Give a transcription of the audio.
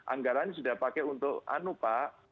anggarannya sudah pakai untuk anu pak